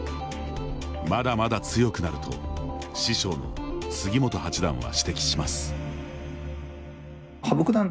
まだまだ強くなると師匠の杉本八段は指摘します。